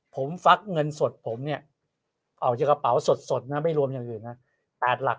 ผมตัดเงินสดผมเนี่ยเอาจะกระเป๋าสดนะไม่รวมอย่างอื่นแล้วกันนะ๘หลัก